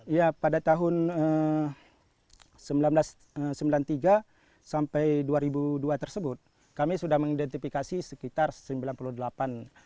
ya pada tahun seribu sembilan ratus sembilan puluh tiga sampai dua ribu dua tersebut kami sudah mengidentifikasi sekitar seratus orang orang yang berada di hutan